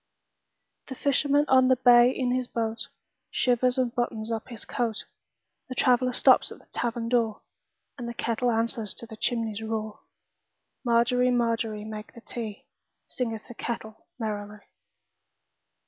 The fisherman on the bay in his boatShivers and buttons up his coat; The traveller stops at the tavern door, And the kettle answers the chimney's roar. Margery, Margery, make the tea, Singeth the kettle merrily.